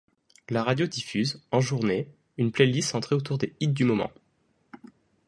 La radio diffuse, en journée, une playlist centrée autour des hits du moment.